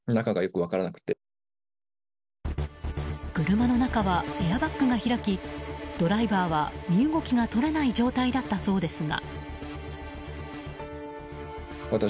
車の中はエアバッグが開きドライバーは身動きが取れない状態だったそうですが。